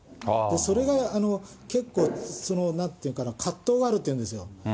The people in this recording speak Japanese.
それが結構、なんて言うのかな、葛藤があるっていうんですよ。